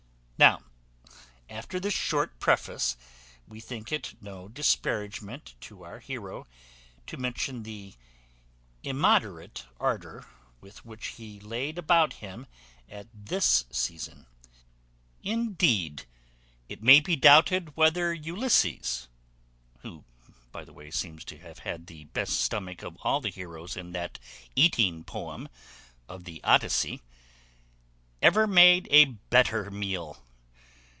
Now, after this short preface, we think it no disparagement to our heroe to mention the immoderate ardour with which he laid about him at this season. Indeed, it may be doubted whether Ulysses, who by the way seems to have had the best stomach of all the heroes in that eating poem of the Odyssey, ever made a better meal.